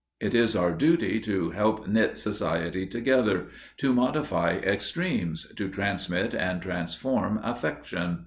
It is our duty to help knit Society together, to modify extremes, to transmit and transform affection.